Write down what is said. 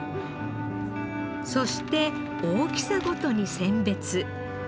そして大きさごとに選別。